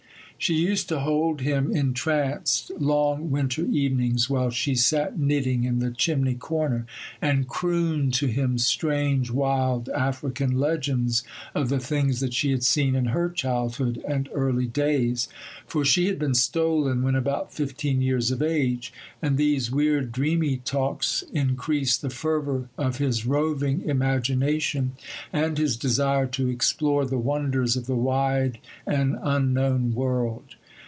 She used to hold him entranced long winter evenings, while she sat knitting in the chimney corner, and crooned to him strange, wild African legends of the things that she had seen in her childhood and early days,—for she had been stolen when about fifteen years of age; and these weird, dreamy talks increased the fervour of his roving imagination, and his desire to explore the wonders of the wide and unknown world.